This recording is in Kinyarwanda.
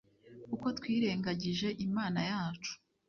kuko twirengagije imana yacu